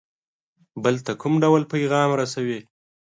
بل ته کوم ډول پیغام رسوي.